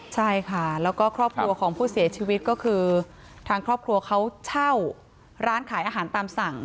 ใช่ค่ะแล้วก็ครอบครัวของผู้เสียชีวิตก็คือทางครอบครัวเขาเช่าร้านขายอาหารตามสั่ง